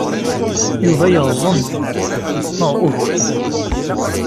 Yuba yeɣẓen, neɣ uhu?